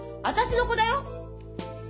私の子だよ！